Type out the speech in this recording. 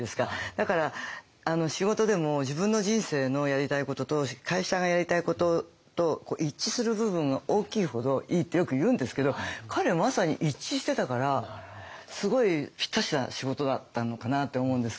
だから仕事でも自分の人生のやりたいことと会社がやりたいことと一致する部分が大きいほどいいってよく言うんですけど彼まさに一致してたからすごいぴったしな仕事だったのかなって思うんですけど。